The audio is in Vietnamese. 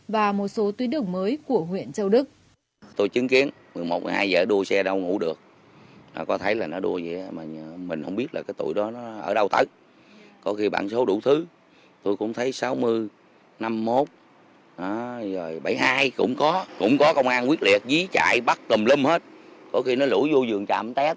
và một số tuyến đường mới của huyện châu đức